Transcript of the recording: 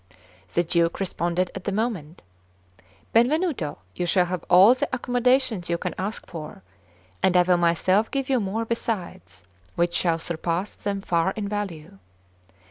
The Duke responded on the moment: "Benvenuto, you shall have all the accommodations you can ask for; and I will myself give you more besides, which shall surpass them far in value."